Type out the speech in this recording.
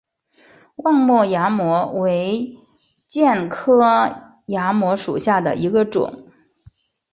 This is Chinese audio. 望谟崖摩为楝科崖摩属下的一个种。